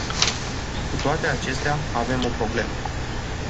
Cu toate acestea, avem o problemă.